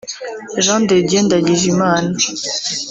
Jean de Dieu Ndagijimana